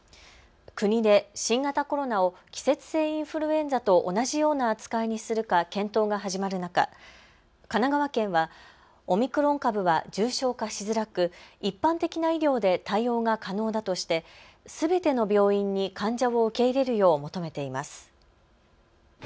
国で新型コロナを季節性インフルエンザと同じような扱いにするか検討が始まる中、神奈川県はオミクロン株は重症化しづらく一般的な医療で対応が可能だとしてすべての病院に患者を受け入れるよう求めています。